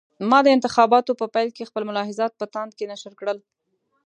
ما د انتخاباتو په پیل کې خپل ملاحضات په تاند کې نشر کړل.